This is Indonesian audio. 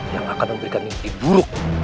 yang akan memberikan mimpi buruk